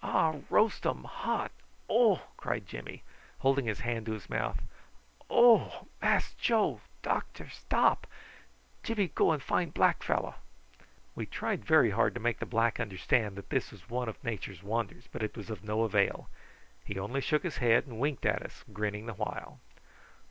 "Ah, roastum hot, O!" cried Jimmy, holding his hand to his mouth. "Oh! Mass Joe, doctor, stop. Jimmy go and find black fellow." We tried very hard to make the black understand that this was one of Nature's wonders, but it was of no avail. He only shook his head and winked at us, grinning the while.